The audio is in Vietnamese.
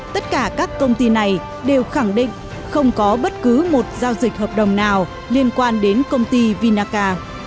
tất cả các công ty này đều khẳng định không có bất cứ một giao dịch hợp đồng nào liên quan đến công ty vinaca